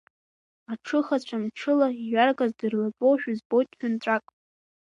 Аҽыхацәа мчыла иҩаргаз дырлатәоушәа збоит ҳәынҵәак.